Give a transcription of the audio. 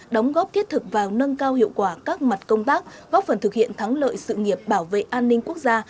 đóng góp thiết thực vào nâng cao hiệu quả các mặt công tác góp phần thực hiện thắng lợi sự nghiệp bảo vệ an ninh quốc gia